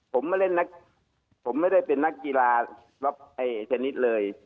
ผมไม่ได้เป็นนักกีฬารับชนิดเลย